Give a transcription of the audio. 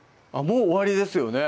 もう終わりですよね